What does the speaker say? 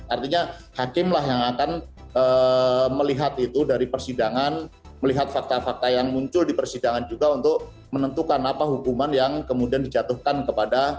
artinya hakim lah yang akan melihat itu dari persidangan melihat fakta fakta yang muncul di persidangan juga untuk menentukan apa hukuman yang kemudian dijatuhkan kepada